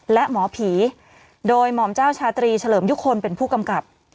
และหมอผีโดยหม่อมเจ้าชาตรีเฉลิมยุคลเป็นผู้กำกับ